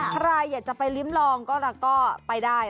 ใครอยากจะไปลิ้มลองก็ไปได้